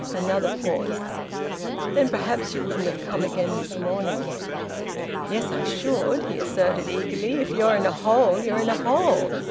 Another pause. "Then perhaps you wouldn't have come again this morning." "Yes, I should!" he asserted eagerly. "If you're in a hole, you're in a hole.